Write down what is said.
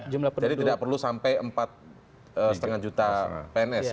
tidak perlu sampai empat lima juta pns